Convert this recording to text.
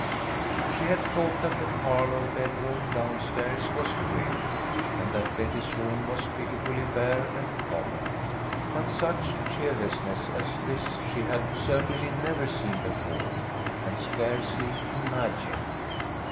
She had thought that the parlour bedroom down stairs was queer, and that Betty's room was pitifully bare and common, but such cheerlessness as this she had certainly never seen before, and scarcely imagined.